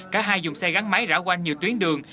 cả hai dùng xe gắn máy rão quanh nhiều tuyến đường